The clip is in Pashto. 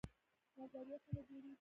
نظریه څنګه جوړیږي؟